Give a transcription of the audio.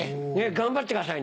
頑張ってください